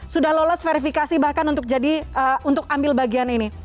sudah lolos verifikasi bahkan untuk jadi untuk ambil bagian ini